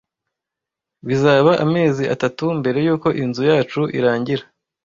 Bizaba amezi atatu mbere yuko inzu yacu irangira.